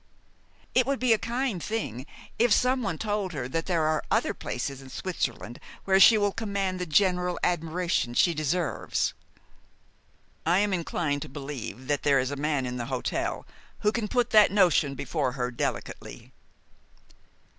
"It would be a kind thing if someone told her that there are other places in Switzerland where she will command the general admiration she deserves." "I am inclined to believe that there is a man in the hotel who can put that notion before her delicately."